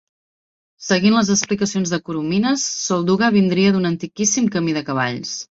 Seguint les explicacions de Coromines, Solduga vindria d'un antiquíssim camí de cavalls.